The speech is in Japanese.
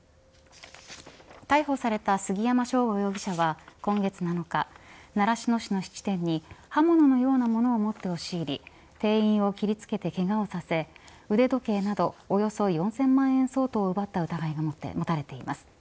逮捕された杉山翔吾容疑者は今月７日、習志野市の質店に刃物のような物を持って押し入り店員を切り付けてけがをさせ腕時計などおよそ４０００万円相当を奪った疑いが持たれてます。